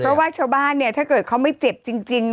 เพราะว่าชาวบ้านเนี่ยถ้าเกิดเขาไม่เจ็บจริง